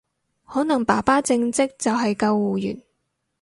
可能爸爸正職就係救護員